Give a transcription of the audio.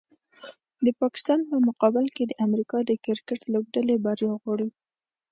د پاکستان په مقابل کې د امریکا د کرکټ لوبډلې بریا غواړو